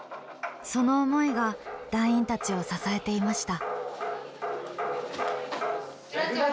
その思いが団員たちを支えていました。